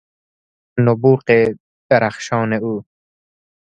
نبوغ درخشان او